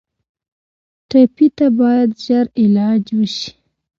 ټپي ته باید ژر علاج وشي.